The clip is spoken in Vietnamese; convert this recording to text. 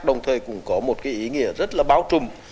đồng thời cũng có một cái ý nghĩa rất là bao trùm